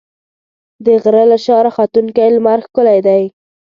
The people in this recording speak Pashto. د غره له شا راختونکی لمر ښکلی دی.